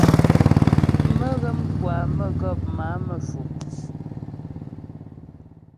Mə́́ghə̌m kwa mə́gɔ̌p má'a Mefo.